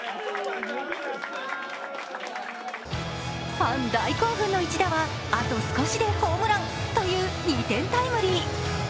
ファン大興奮の一打は、あと少しでホームランという２点タイムリー。